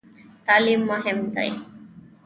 تعلیم مهم دی؟